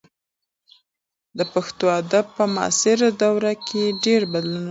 د پښتو ادب په معاصره دوره کې ډېر بدلونونه راغلي دي.